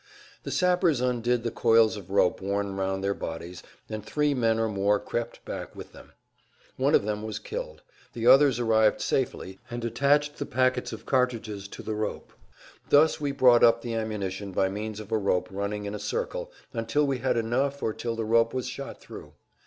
The sappers undid the coils of rope worn round their bodies, and three men or more crept back with them. One of them was killed; the others arrived safely and attached the packets of cartridges to the rope. Thus we brought up the ammunition by means of a rope running in a circle, until we had enough or till the rope was shot through.